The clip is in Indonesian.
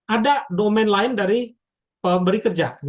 ada domain lain dari pemberi kerja